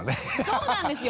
そうなんですよ。